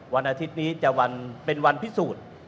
วันอาทิตย์นี้จะเป็นวันพิสูจน์